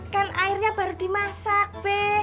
kan airnya baru dimasak